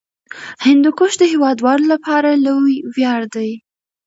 هندوکش د هیوادوالو لپاره لوی ویاړ دی.